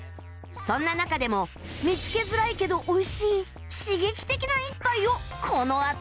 そんな中でも見つけづらいけど美味しい刺激的な一杯をこのあと発見